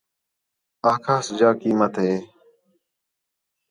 آکھاس جا قیمت ہِے